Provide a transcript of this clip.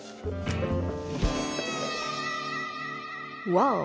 ワオ！